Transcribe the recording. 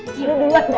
gila dulu aja dah